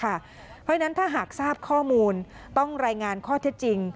เพราะฉะนั้นถ้าหากทราบข้อมูลต้องรายงานข้อเท็จจริง